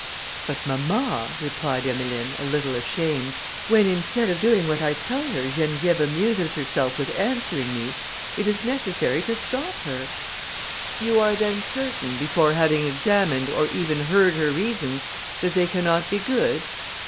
"But, mamma," replied Emmeline, a little ashamed, "when instead of doing what I tell her, Geneviève amuses herself with answering me, it is necessary to stop her." "You are then certain, before having examined, or even heard her reasons, that they cannot be good?"